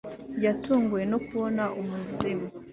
yatunguwe no kubona umuzimu